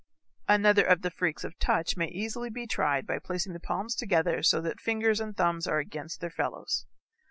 Another of the freaks of touch may easily be tried by placing the palms together so that fingers and thumbs are against their fellows.